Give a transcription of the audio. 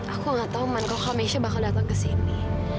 aku gak tau man kalau kamesha bakal datang kesini